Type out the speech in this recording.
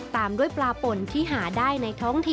ตามด้วยปลาป่นที่หาได้ในท้องถิ่น